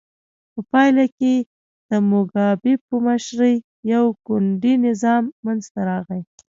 په پایله کې د موګابي په مشرۍ یو ګوندي نظام منځته راغی.